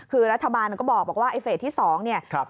คือรัฐบาลก็บอกว่าไอ้เฟสที่๒เนี่ย